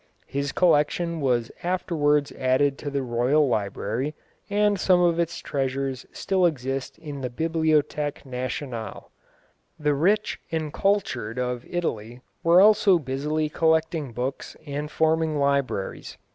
His collection was afterwards added to the Royal Library, and some of its treasures still exist in the Bibliothèque Nationale. The rich and cultured of Italy were also busily collecting books and forming libraries.